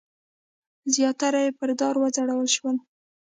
زیاتره یې پر دار وځړول شول.